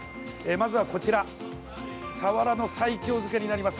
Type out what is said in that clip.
まずはこちらサワラの西京漬けになります。